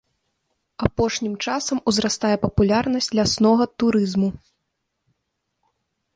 Апошнім часам узрастае папулярнасць ляснога турызму.